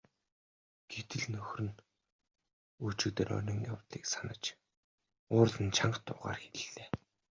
Гэтэл нөхөр нь өчигдөр оройн явдлыг санаж уурлан чанга дуугаар хэллээ.